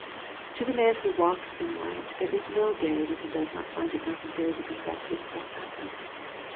To the man who walks in light there is no day when he does not find it necessary to confess his trespasses.